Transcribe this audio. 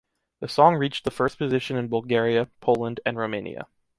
The song reached the first position in Bulgaria, Poland and Romania.